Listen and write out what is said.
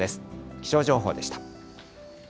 気象情報でした。